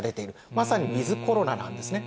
まさにウィズコロナなんですね。